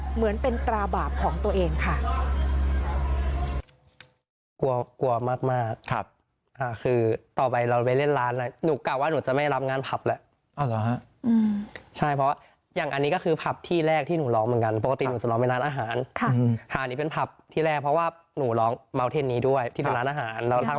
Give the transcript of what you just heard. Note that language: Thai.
เหมือนเอาพี่เขามาตายแทนพูดตรง